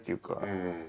うん。